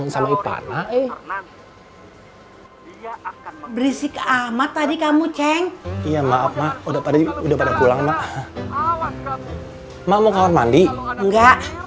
sampai jumpa di video selanjutnya